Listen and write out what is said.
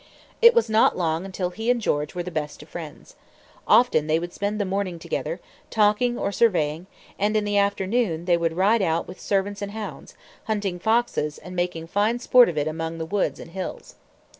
It was not long until he and George were the best of friends. Often they would spend the morning together, talking or surveying; and in the afternoon they would ride out with servants and hounds, hunting foxes and making fine sport of it among the woods and hills.